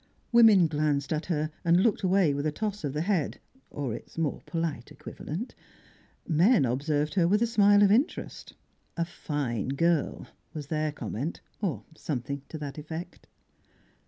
Women glanced at her and looked away with a toss of the head or its more polite equivalent. Men observed her with a smile of interest; "A fine girl," was their comment, or something to that effect.